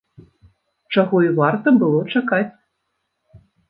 Чаго і варта было чакаць!